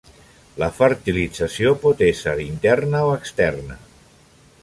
La fertilització pot ésser interna o externa.